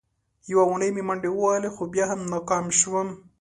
یوه اونۍ مې منډې ووهلې، خو بیا هم ناکام شوم.